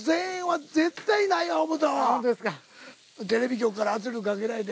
テレビ局から圧力かけられて？